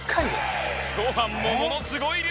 ご飯もものすごい量だ！